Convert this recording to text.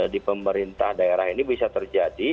di pemerintah daerah ini bisa terjadi